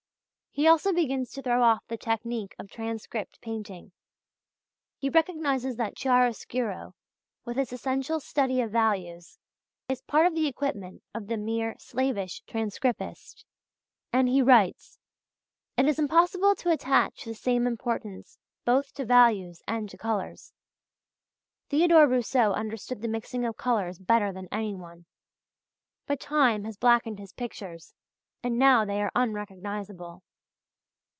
He also begins to throw off the technique of transcript painting. He recognizes that chiaroscuro with its essential "study of values," is part of the equipment of the mere slavish transcripist, and he writes: "It is impossible to attach the same importance both to values and to colours. Theodore Rousseau understood the mixing of colours better than anyone. But time has blackened his pictures, and now they are unrecognizable.